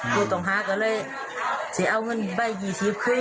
ผู้ต้องหาก็เลยจะเอาเงินใบยีทีฟขึ้น